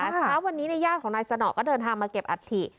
ครับแล้ววันนี้ในย่างของนายสนอกก็เดินทางมาเก็บอัตภิ